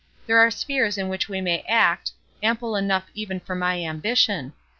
There are spheres in which we may act, ample enough even for my ambition.